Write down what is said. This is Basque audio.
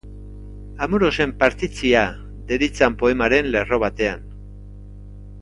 Amorosen partitzia" deritzan poemaren lerro batean.